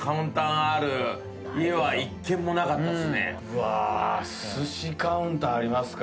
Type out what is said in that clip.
うわ寿司カウンターありますか。